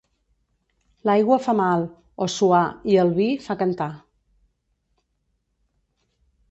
L'aigua fa mal o suar i el vi fa cantar.